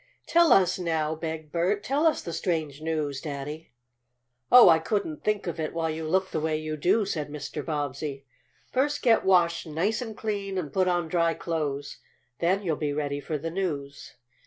"Tell us now!" begged Bert. "Tell us the strange news, Daddy!" "Oh, I couldn't think of it while you look the way you do," said Mr. Bobbsey. "First get washed nice and clean, and put on dry clothes. Then you'll be ready for the news."